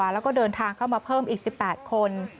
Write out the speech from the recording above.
แล้วก็เดินทางเข้ามาเพิ่มอีก๑๘คน